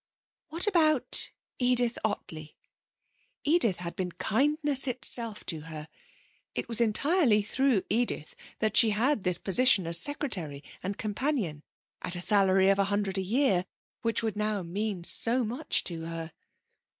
What about Edith Ottley? Edith had been kindness itself to her; it was entirely through Edith that she had this position as secretary and companion at a salary of a hundred a year which now would mean so much to her.